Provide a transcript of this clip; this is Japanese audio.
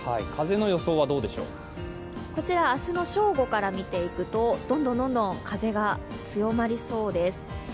風の予想、明日の正午から見ていくとどんどん強まりそうです。